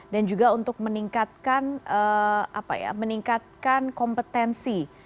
dan juga untuk meningkatkan kompetensi